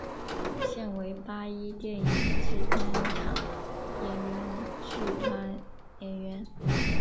现为八一电影制片厂演员剧团演员。